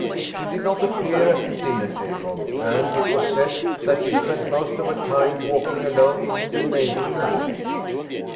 She did not appear at the dinner table, and it was said that she spent most of her time walking alone in the neighboring wood.